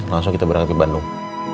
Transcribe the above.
langsung kita berangkat ke bandung